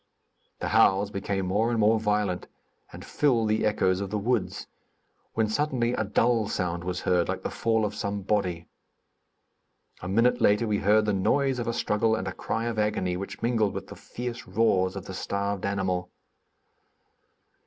The howls became more and more violent, and filled the echoes of the woods, when suddenly a dull sound was heard, like the fall of some body. A minute later we heard the noise of a struggle and a cry of agony which mingled with the fierce roars of the starved animal.